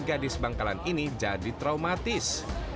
gadis bangkalan ini jadi traumatis